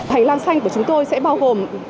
hành lang xanh của chúng tôi sẽ bao gồm